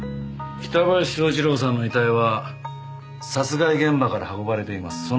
北林昭一郎さんの遺体は殺害現場から運ばれています。